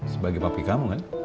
sebagai papi kamu kan